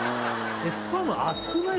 スパム厚くない？